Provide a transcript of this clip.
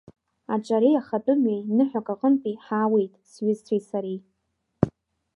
Аҿареи ахатәымҩеи ныҳәак аҟынтәи ҳаауеит сҩызцәеи сареи.